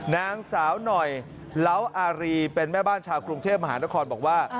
นางสาวหน่อยเหล้าอารีเป็นแม่บ้านชาวกรุงเทพมหานครบอกว่า